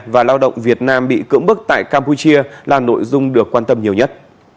và lao động việt nam bị cưỡng bức tại campuchia là nội dung được quan tâm nhiều nhất